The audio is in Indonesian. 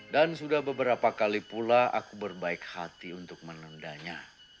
dan sudah beberapa kali pula aku berbaik hati untuk menendanya